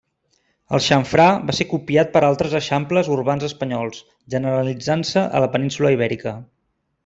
El xamfrà va ser copiat per altres eixamples urbans espanyols, generalitzant-se a la península Ibèrica.